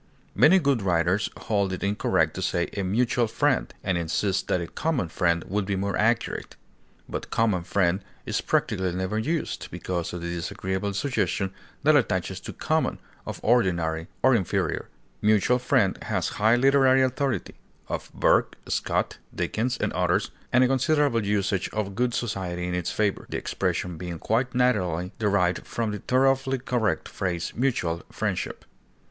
Many good writers hold it incorrect to say "a mutual friend," and insist that "a common friend" would be more accurate; but "common friend" is practically never used, because of the disagreeable suggestion that attaches to common, of ordinary or inferior. "Mutual friend" has high literary authority (of Burke, Scott, Dickens, and others), and a considerable usage of good society in its favor, the expression being quite naturally derived from the thoroughly correct phrase mutual friendship.